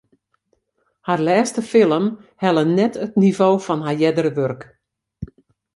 Har lêste film helle net it nivo fan har eardere wurk.